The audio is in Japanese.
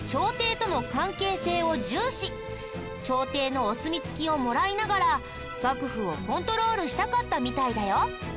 朝廷のお墨付きをもらいながら幕府をコントロールしたかったみたいだよ。